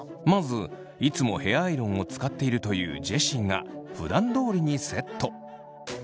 まずいつもヘアアイロンを使っているというジェシーがふだんどおりにセット。